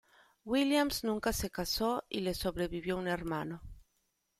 Williams nunca se casó, y le sobrevivió un hermano.